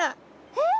えっ？